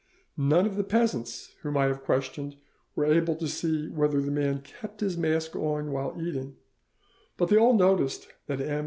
None of the peasants whom I have questioned were able to see whether the man kept his mask on while eating, but they all noticed that M.